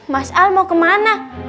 mas al mau kemana